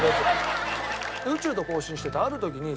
宇宙と交信しててある時に。